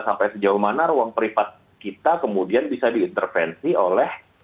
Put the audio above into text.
sampai sejauh mana ruang privat kita kemudian bisa diintervensi oleh